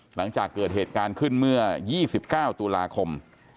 หลังจากเกิดเหตุการณ์ขึ้นเมื่อ๒๙ตุลาคม